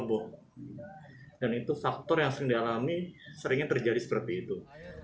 dan itu faktor yang sering dialami seringnya terjadi seperti itu